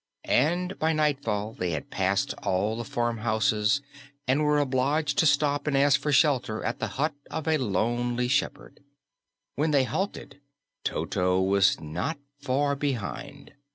And by nightfall they had passed all the farmhouses and were obliged to stop and ask for shelter at the hut of a lonely shepherd. When they halted, Toto was not far behind.